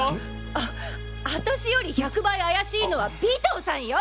あっあたしより１００倍怪しいのは尾藤さんよ。